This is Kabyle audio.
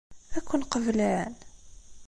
Ad ken-qeblen?